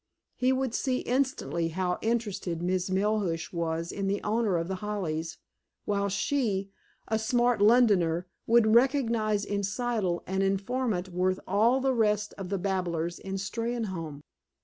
He would see instantly how interested Miss Melhuish was in the owner of The Hollies, while she, a smart Londoner, would recognize in Siddle an informant worth all the rest of the babblers in Steynholme.